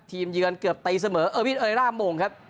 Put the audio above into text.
ทีมเยือนเกือบตีเสมอเออวิทย์เอเลร่ามงค์ครับ